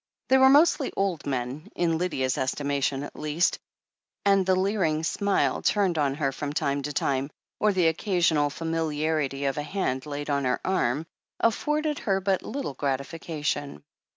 They were mostly old men, in Lydia's estimation at least, and the leering smile turned on her from time to time, or the occasional familiarity of a hand laid on her arm, afforded her but little gratification.